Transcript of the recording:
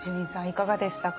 いかがでしたか？